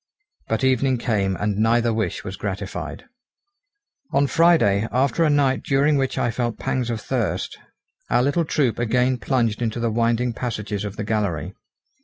But evening came and neither wish was gratified. On Friday, after a night during which I felt pangs of thirst, our little troop again plunged into the winding passages of the gallery.